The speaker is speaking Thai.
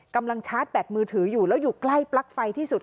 ชาร์จแบตมือถืออยู่แล้วอยู่ใกล้ปลั๊กไฟที่สุด